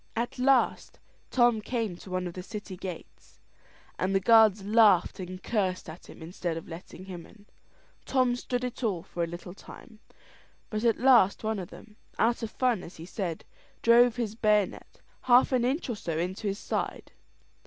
At last Tom came to one of the city gates, and the guards laughed and cursed at him instead of letting him in. Tom stood it all for a little time, but at last one of them out of fun, as he said drove his bayonet half an inch or so into his side.